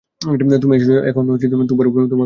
তুমি এসেছ, এখন তোমার উপরেই সমস্ত ভার।